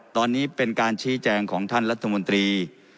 ตอนนี้เป็นการชี้แจงของท่านรัฐมนตรี